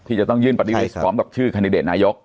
ที่จะต้องยื่นบัญชีรายชื่อพร้อมกับชื่อคันดิเดตนายก